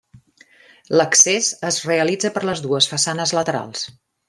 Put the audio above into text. L'accés es realitza per les dues façanes laterals.